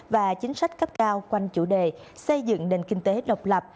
và chính sách cấp cao quanh chủ đề xây dựng nền kinh tế độc lập